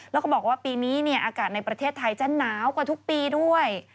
แล้วก็บอกว่าปีนี้อากาศในประเทศไทยจะหนาวกว่าทุกปีด้วย